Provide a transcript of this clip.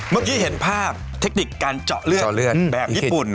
เมื่อกี้เห็นภาพเทคนิคการเจาะเลือดเจาะเลือดแบบญี่ปุ่น